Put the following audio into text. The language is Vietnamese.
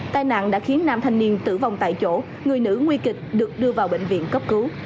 tai nạn đã khiến nam thanh niên tử vong tại chỗ người nữ nguy kịch được đưa vào bệnh viện cấp cứu